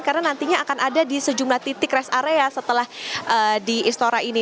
karena nantinya akan ada di sejumlah titik rest area setelah di istora ini